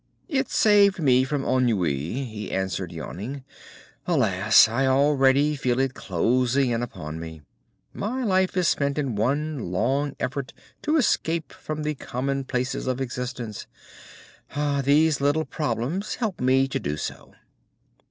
"It saved me from ennui," he answered, yawning. "Alas! I already feel it closing in upon me. My life is spent in one long effort to escape from the commonplaces of existence. These little problems help me to do so."